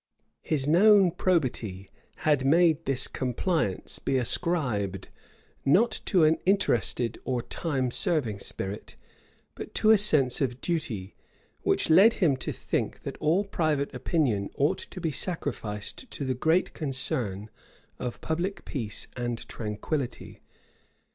His known probity had made this compliance be ascribed, not to an interested or time serving spirit, but to a sense of duty, which led him to think that all private opinion ought to be sacrificed to the great concern of public peace and tranquillity.